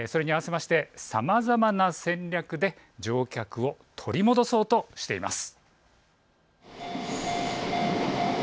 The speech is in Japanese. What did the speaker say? それに合わせましてさまざまな戦略で乗客を取り戻そうとしています。